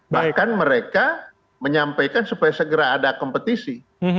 bahkan mereka menyampaikan supaya segera ada kompetisi